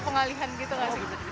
pengalihkan gitu gak sih